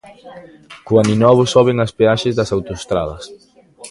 Co Aninovo soben as peaxes das autoestradas.